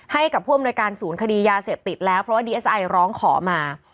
ให้กับผู้อำนวยการศูนย์คดียาเสพติดแล้วเพราะว่าดีเอสไอร้องขอมา